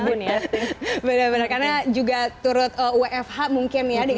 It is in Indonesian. karena juga turut wfh mungkin ya dengan semua orang ya karena juga turut wfh mungkin ya dengan semua orang ya